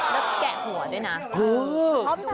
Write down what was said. แล้วแกะหัวด้วยนะ